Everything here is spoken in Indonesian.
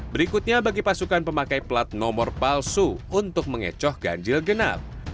berikutnya bagi pasukan pemakai plat nomor palsu untuk mengecoh ganjil genap